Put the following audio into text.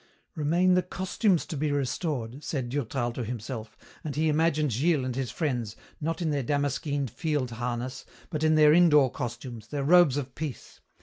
"Remain the costumes to be restored," said Durtal to himself, and he imagined Gilles and his friends, not in their damaskeened field harness, but in their indoor costumes, their robes of peace.